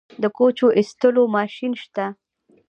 د کوچو ایستلو ماشین شته؟